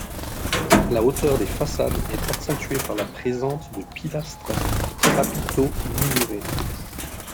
La hauteur des façades est accentuée par la présente de pilastres aux chapiteaux moulurés.